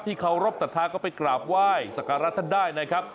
ที่เขารบศรัทธาก็ไปกราบไหว้สการรัฐได้นะครับ